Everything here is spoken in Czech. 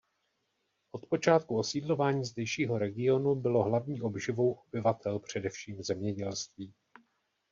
Od počátku osídlování zdejšího regionu bylo hlavní obživou obyvatel především zemědělství.